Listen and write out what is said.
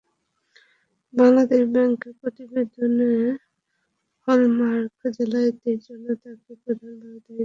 বাংলাদেশ ব্যাংকের প্রতিবেদনে হল-মার্ক জালিয়াতির জন্য তাঁকে প্রধানভাবে দায়ী করা হয়।